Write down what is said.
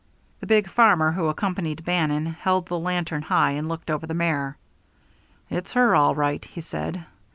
The big farmer who accompanied Bannon held the lantern high and looked over the mare. "It's her all right," he said.